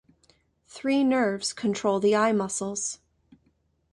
Three nerves control the eye muscles.